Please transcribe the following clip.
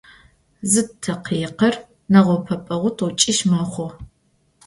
Зы такъикъыр нэгъэупӏэпӏэгъу тӏокӏищ мэхъу.